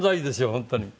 本当に。